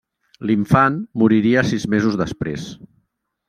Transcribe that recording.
L'infant moriria sis mesos després.